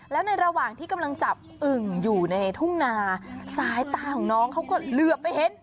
แล้วในระหว่างที่กำลังจับอึ่งอยู่ในทุ่งนาสายตาของน้องเขาก็เหลือไปเห็น